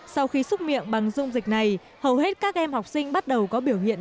sau khi xúc miệng bằng dung dịch này hầu hết các em học sinh bắt đầu có biểu hiện